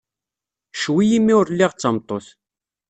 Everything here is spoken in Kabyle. Ccwi imi ur lliɣ d tameṭṭut.